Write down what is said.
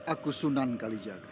aku sunan kalijaga